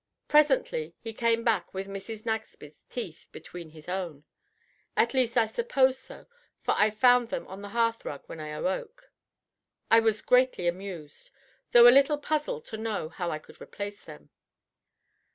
Presently he came back with Mrs. Nagsby's teeth between his own at least I suppose so, for I found them on the hearth rug when I awoke. I was greatly amused, though a little puzzled to know how I could replace them.